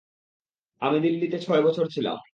আমি দিল্লিতে ছয় বছর ছিলাম।